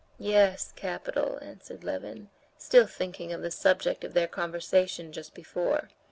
"Yes, capital," answered Levin, still thinking of the subject of their conversation just before.